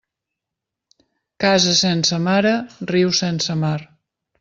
Casa sense mare, riu sense mar.